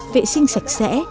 vệ sinh sạch sẽ